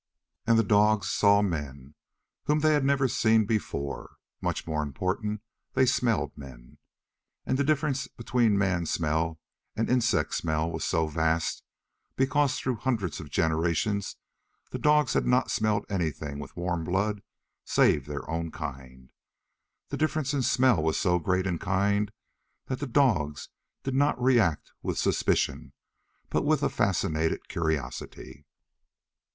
And the dogs saw men, whom they had never seen before. Much more important, they smelled men. And the difference between man smell and insect smell was so vast because through hundreds of generations the dogs had not smelled anything with warm blood save their own kind the difference in smell was so great in kind that the dogs did not react with suspicion, but with a fascinated curiosity.